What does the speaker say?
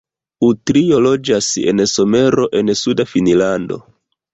Utrio loĝas en Somero en suda Finnlando.